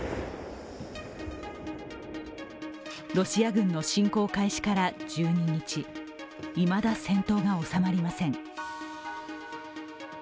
ロシア軍の侵攻開始から１２日、いまだ戦闘が収まりません。